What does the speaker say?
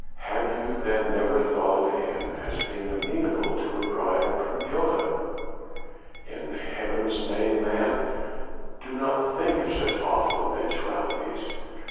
"Have you then never thought of him as being amenable to a bribe from Gilda." "In Heaven's name, man, do not think of such awful eventualities!"